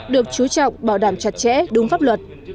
được chú trọng bảo đảm chặt chẽ đúng pháp luật